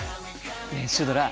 ねえシュドラ。